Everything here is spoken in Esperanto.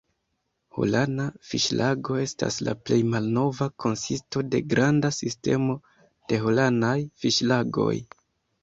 Holana fiŝlago estas la plej malnova konsisto de granda sistemo de Holanaj fiŝlagoj.